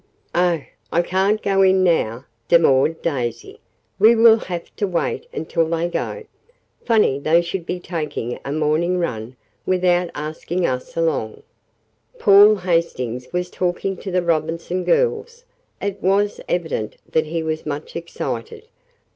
"Oh, I can't go in now," demurred Daisy. "We will have to wait until they go. Funny they should be taking a morning run, without asking us along." Paul Hastings was talking to the Robinson girls. It was evident that he was much excited.